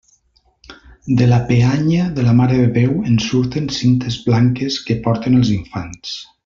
De la peanya de la Mare de Déu en surten cintes blanques que porten els infants.